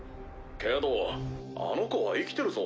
けどあの子は生きてるぞ。